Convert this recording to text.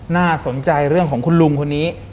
น่าสนใจเรื่องของคุณลุงคนนี้